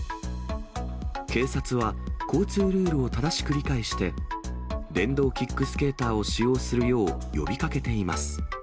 警察は、交通ルールを正しく理解して、電動キックスケーターを使用するよう呼びかけています。